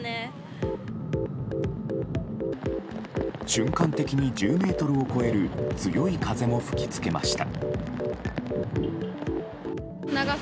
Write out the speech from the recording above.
瞬間的に１０メートルを超える強い風も吹きつけました。